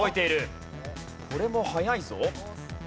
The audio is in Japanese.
これも早いぞ。